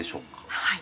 はい。